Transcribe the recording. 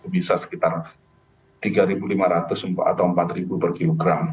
bisa sekitar rp tiga lima ratus atau rp empat per kilogram